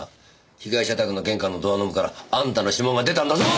被害者宅の玄関のドアノブからあんたの指紋が出たんだぞ！